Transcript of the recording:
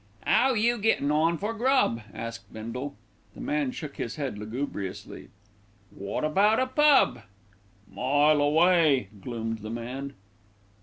"'Ow you gettin' on for grub?" asked Bindle. The man shook his head lugubriously. "What about a pub?" "Mile away," gloomed the man.